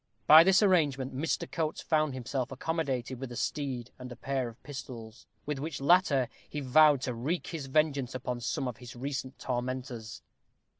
By this arrangement Mr. Coates found himself accommodated with a steed and a pair of pistols, with which latter he vowed to wreak his vengeance upon some of his recent tormentors.